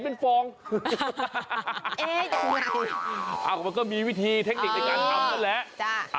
เป็นฟองมันก็มีวิธีเทคนิคในการทำนั่นแหละ